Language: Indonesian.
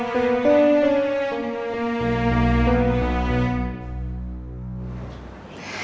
oh acaranya udah mau dimulai